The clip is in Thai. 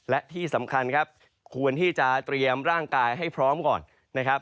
และที่สำคัญควรที่จะเตรียมร่างกายให้พร้อมก่อน